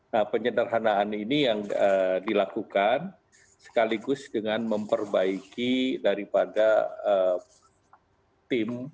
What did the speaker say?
nah penyederhanaan ini yang dilakukan sekaligus dengan memperbaiki daripada tim